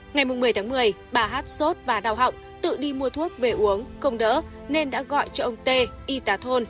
ngày một mươi tháng một mươi bà hát sốt và đau họng tự đi mua thuốc về uống không đỡ nên đã gọi cho ông tê y tà thôn